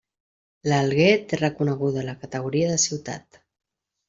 L'Alguer té reconeguda la categoria de ciutat.